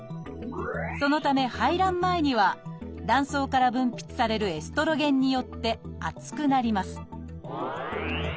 そのため排卵前には卵巣から分泌されるエストロゲンによって厚くなります